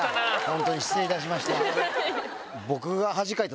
ホントに失礼いたしました。